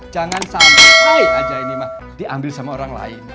jangan sampai aja ini mah diambil sama orang lain